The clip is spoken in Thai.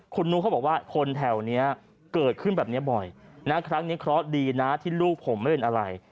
คุณนุเขาบอกว่าคนแถวนี้เกิดขึ้นแบบนี้บ่อยนะครั้งนี้เคราะห์ดีนะที่ลูกผมไม่เป็นอะไร